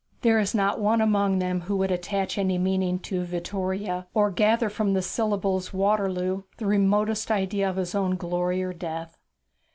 There is not one among them who would attach any meaning to 'Vittoria,' or gather from the syllables 'Waterloo' the remotest idea of his own glory or death.